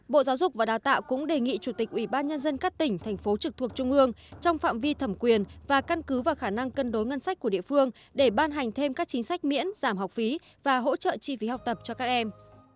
bộ giáo dục và đào tạo cũng đề nghị chủ tịch ủy ban nhân dân các tỉnh thành phố trực thuộc trung ương trong phạm vi thẩm quyền và căn cứ vào khả năng cân đối ngân sách của địa phương để ban hành thêm các chính sách miễn giảm học phí và hỗ trợ chi phí học tập cho các em